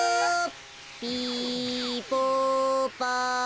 ピポパ。